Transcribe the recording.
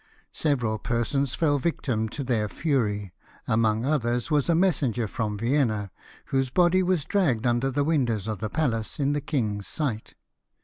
Several persons fell victims to their fury ; among others was a messenger from Vienna, whose body was dragged under the windows of the palace in the king's sight.